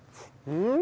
うん。